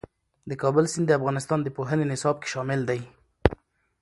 د کابل سیند د افغانستان د پوهنې نصاب کې شامل دی.